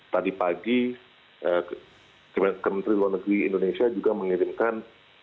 tadi pagi kementerian luar negeri indonesia juga mengirimkan